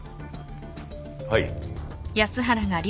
はい。